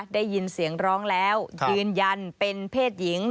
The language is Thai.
ได้ยินเสียงร้องแล้วยืนยันเป็นเพศหญิง